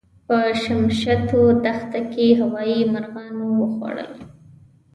په شمشتو دښته کې هوايي مرغانو وخوړل.